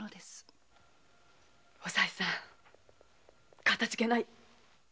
おさいさんかたじけない。